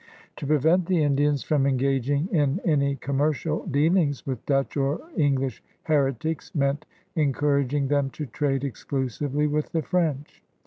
To prevent the In dians from engaging in any commercial dealings with Dutch or English heretics meant encouraging them to trade exclusively with the French.